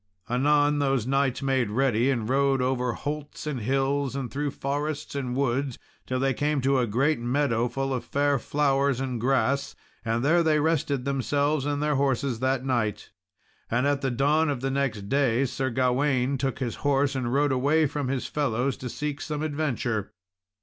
Anon, those knights made ready, and rode over holts and hills, and through forests and woods, till they came to a great meadow full of fair flowers and grass, and there they rested themselves and their horses that night. And at the dawn of the next day, Sir Gawain took his horse and rode away from his fellows to seek some adventure.